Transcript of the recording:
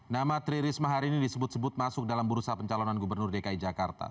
nama tri risma hari ini disebut sebut masuk dalam bursa pencalonan gubernur dki jakarta